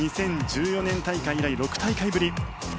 ２０１４年大会以来６大会ぶり。